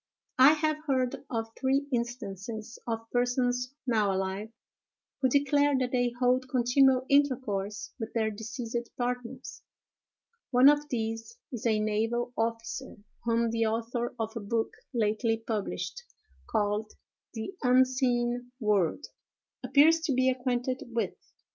I have heard of three instances of persons now alive, who declare that they hold continual intercourse with their deceased partners. One of these is a naval officer, whom the author of a book lately published, called "The Unseen World," appears to be acquainted with.